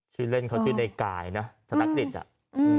ชื่อเล่นเขาชื่อในกายนะสนักดิจ